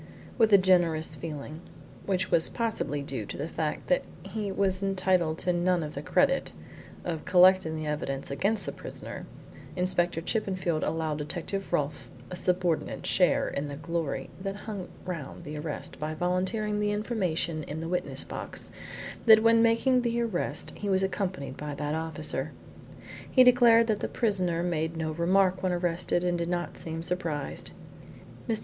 With a generous feeling, which was possibly due to the fact that he was entitled to none of the credit of collecting the evidence against the prisoner, Inspector Chippenfield allowed Detective Rolfe a subordinate share in the glory that hung round the arrest by volunteering the information in the witness box that when making the arrest he was accompanied by that officer. He declared that the prisoner made no remark when arrested and did not seem surprised. Mr.